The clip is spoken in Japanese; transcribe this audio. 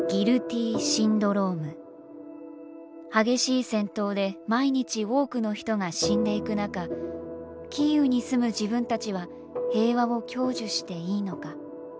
激しい戦闘で毎日多くの人が死んでいく中キーウに住む自分たちは平和を享受していいのか。